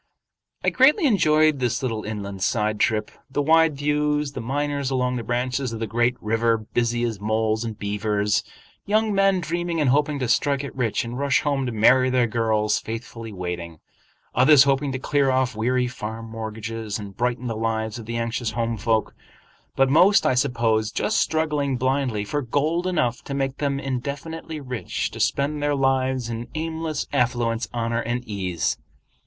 I greatly enjoyed this little inland side trip—the wide views; the miners along the branches of the great river, busy as moles and beavers; young men dreaming and hoping to strike it rich and rush home to marry their girls faithfully waiting; others hoping to clear off weary farm mortgages, and brighten the lives of the anxious home folk; but most, I suppose, just struggling blindly for gold enough to make them indefinitely rich to spend their lives in aimless affluence, honor, and ease.